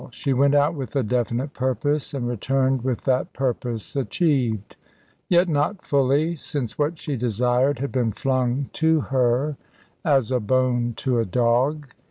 She went out with a definite purpose, and returned with that purpose achieved; yet not fully, since what she desired had been flung to her as a bone to a dog.